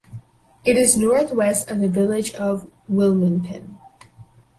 It is northwest of the village of Wilmington.